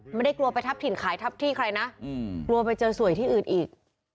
ไม่ได้กลัวไปทับถิ่นขายทับที่ใครนะกลัวไปเจอสวยที่อื่นอีก